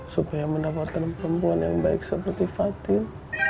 supaya mendapatkan perempuan yang baik seperti fatil